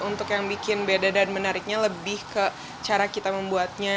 untuk yang bikin beda dan menariknya lebih ke cara kita membuatnya